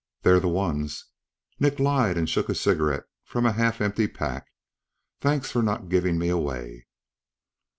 "They're the ones," Nick lied and shook a cigarette from a half empty pack. "Thanks for not giving me away."